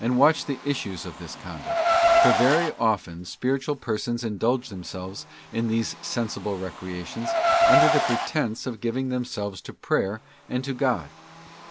watch the issues of this conduct, for very often many spiri tual persons indulge themselves in these sensible recreations, under the pretence of giving themselves to prayer and to God.